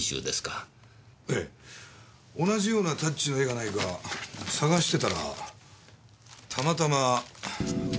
ええ同じようなタッチの絵がないか探してたらたまたまこれが。